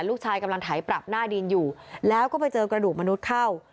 ลูกชายกำลังไถปรับหน้าดินอยู่แล้วก็ไปเจอกระดูกมนุษย์เข้า